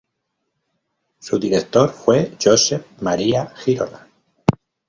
Su director fue Josep Maria Girona.